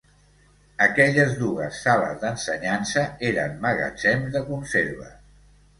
Aquelles dugues sales d'ensenyança eren magatzems de conserves.